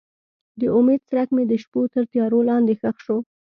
د امید څرک مې د شپو تر تیارو لاندې ښخ شو.